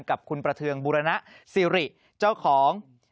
กับคุณประเทืองบุรณสิริเจ้าของ